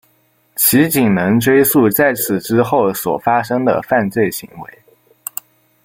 其仅能追诉在此之后所发生的犯罪行为。